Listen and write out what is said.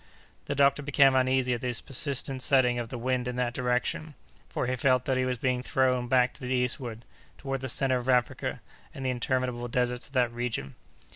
The doctor became uneasy at this persistent setting of the wind in that direction, for he felt that he was being thrown back to the eastward, toward the centre of Africa, and the interminable deserts of that region.